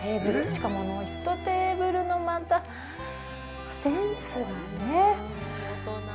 しかも、椅子とテーブルのまたセンスがね。